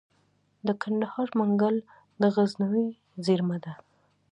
د کندهار منگل د غزنوي زیرمه ده